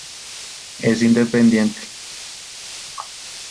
Es independiente.